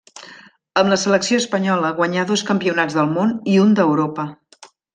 Amb la selecció espanyola guanyà dos campionats del Món i un d'Europa.